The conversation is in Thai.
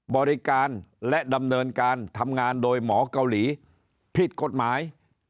บริการและดำเนินการทำงานโดยหมอเกาหลีผิดกฎหมาย